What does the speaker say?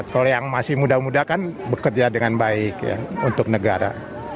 kalau yang masih muda muda kan bekerja dengan baik ya untuk negara